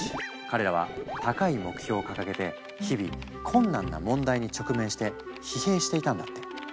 彼らは高い目標を掲げて日々困難な問題に直面して疲弊していたんだって。